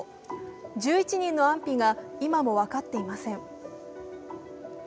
１１人の安否が今も分かっていません。